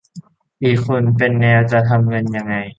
อีกคนเป็นแนว จะทำเงินยังไง